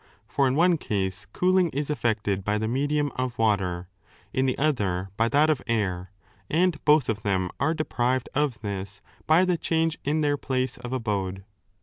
^ For in one case cooling is effected by the medium of water ; in the other by that of air, and both of them are deprived of this by the change in their place of abode.